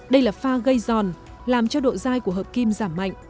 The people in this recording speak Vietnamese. đây là pha gây giòn làm cho độ dai của hợp kim giảm mạnh